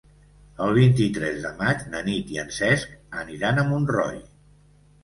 El vint-i-tres de maig na Nit i en Cesc aniran a Montroi.